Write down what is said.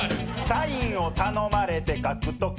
サインを頼まれて書くとき